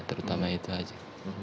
terutama itu aja